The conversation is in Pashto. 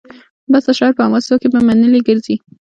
بس د شاعر په حماسو کي به منلي ګرځي